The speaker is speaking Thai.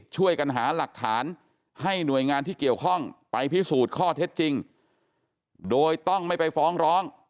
ช่วยกันหาหลักฐานให้หน่วยงานที่เกี่ยวข้องไปพิสูจน์ข้อเท็จจริง